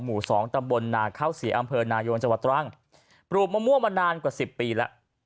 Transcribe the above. หมู่สองตำบลนาข้าวเสียอำเภอนายงจังหวัดตรังปลูกมะม่วงมานานกว่าสิบปีแล้ว